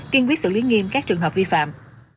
kiên quyết xử lý nghiêm các trường hợp vi phạm